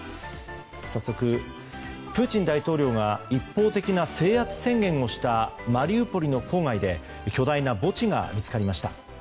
早速、プーチン大統領が一方的な制圧宣言をしたマリウポリの郊外で巨大な墓地が見つかりました。